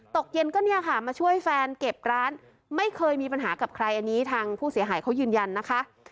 ตกเย็นก็เนี่ยค่ะมาช่วยแฟนเก็บร้านไม่เคยมีปัญหากับใครอันนี้ทางผู้เสียหายเขายืนยันนะคะ